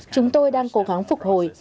chúng tôi đang cố gắng phục hồi